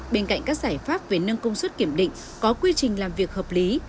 bên cạnh các giải pháp về nâng công suất kiểm định có quy trình làm việc hợp lý